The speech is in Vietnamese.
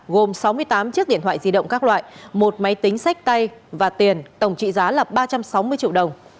gồm sáu mươi tám chiếc điện thoại di động các loại một máy tính sách tay và tiền tổng trị giá là ba trăm sáu mươi triệu đồng